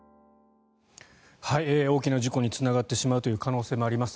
大きな事故につながってしまうという可能性もあります。